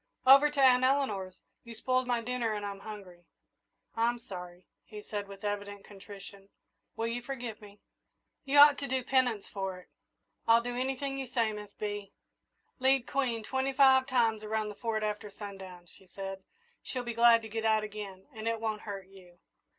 "Over to Aunt Eleanor's. You spoiled my dinner and I'm hungry." "I'm sorry," he said, with evident contrition; "will you forgive me?" "You ought to do penance for it." "I'll do anything you say, Miss Bee." "Lead Queen twenty five times around the Fort after sundown," she said. "She'll be glad to get out again, and it won't hurt you."